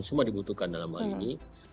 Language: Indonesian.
semua dibutuhkan dalam hal ini